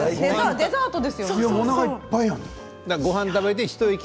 デザートですよ。